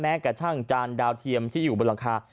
กระทั่งจานดาวเทียมที่อยู่บนหลังคา